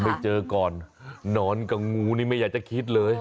ไม่เจอก่อนนอนกับงูนี่ไม่อยากจะคิดเลย